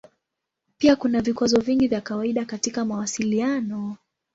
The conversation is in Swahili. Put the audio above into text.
Pia kuna vikwazo vingi vya kawaida katika mawasiliano.